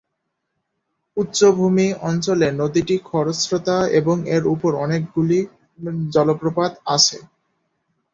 উচ্চভূমি অঞ্চলে নদীটি খরস্রোতা এবং এর উপর অনেকগুলি জলপ্রপাত আছে।